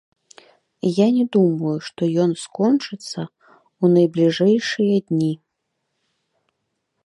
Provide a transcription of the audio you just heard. Я не думаю, што ён скончыцца ў найбліжэйшыя дні.